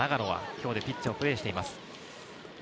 今日、ピッチでプレーしています。